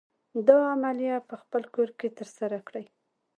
دا عملیه په خپل کور کې تر سره کړئ.